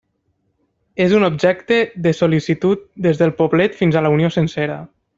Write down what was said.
És un objecte de sol·licitud des del poblet fins a la Unió sencera.